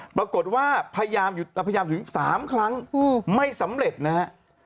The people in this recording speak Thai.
ปรากฏว่าพยายามถึง๓ครั้งไม่สำเร็จนะฮะ